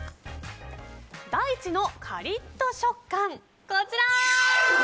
大地のカリッと食感、こちら！